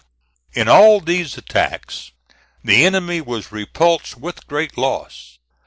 In all these attacks the enemy was repulsed with great loss.